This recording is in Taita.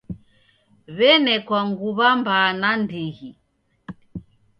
W'enekwa nguma mbaa naindighi.